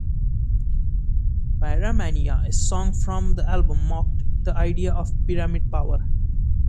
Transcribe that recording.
"Pyramania", a song from the album, mocked the idea of pyramid power.